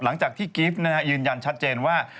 หลังจากที่กิฟท์นะไหนอินยันชัดเจนว่า